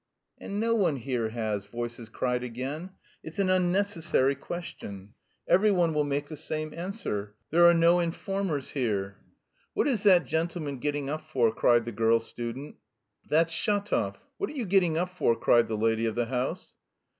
"And no one here has," voices cried again. "It's an unnecessary question. Every one will make the same answer. There are no informers here." "What is that gentleman getting up for?" cried the girl student. "That's Shatov. What are you getting up for?" cried the lady of the house.